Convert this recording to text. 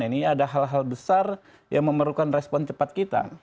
ini ada hal hal besar yang memerlukan respon cepat kita